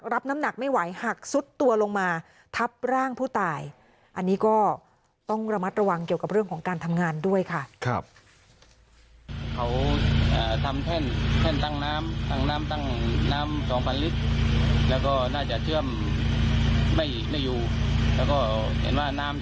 รับน้ำหนักไม่ไหวหักซุดตัวลงมาทับร่างผู้ตายอันนี้ก็ต้องระมัดระวังเกี่ยวกับเรื่องของการทำงานด้วยค่ะ